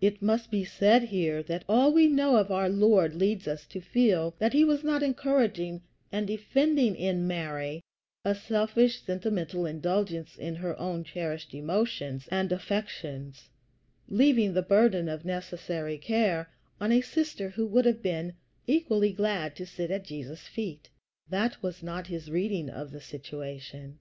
It must be said here that all we know of our Lord leads us to feel that he was not encouraging and defending in Mary a selfish, sentimental indulgence in her own cherished emotions and affections, leaving the burden of necessary care on a sister who would have been equally glad to sit at Jesus' feet. That was not his reading of the situation.